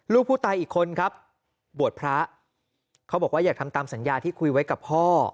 ลูกผู้ตายอีกคนครับบวชพระเขาบอกว่าอยากทำตามสัญญาที่คุยไว้กับพ่อ